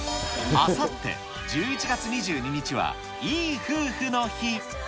あさって１１月２２日は、いい夫婦の日。